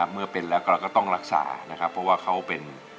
เมื่อเป็นแล้วก็เราก็ต้องรักษานะครับเพราะว่าเขาเป็น